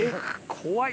怖い！